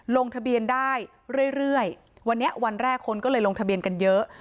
ลงทะเบียนได้เรื่อยวันนี้วันแรกคนก็เลยลงทะเบียนกันเยอะ